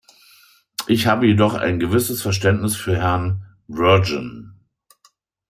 Ich habe jedoch ein gewisses Verständnis für Herrn Virgin.